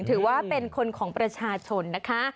ถือว่าเป็นคนของประชาชนนะคะ